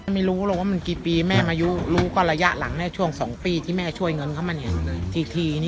มีรู้ว่ามันกี่ปีแม่มายุ่งรู้ก็ระยะหลังแน่ช่วง๒ปีที่แม่ช่วยเงิน